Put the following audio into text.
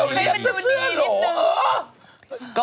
แล้วเรียกก็เสื้อโหล